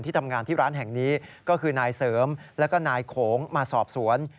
ทำงานที่ร้านแห่งนี้ก็คือนายเสริมแล้วก็นายโขงมาสอบสวน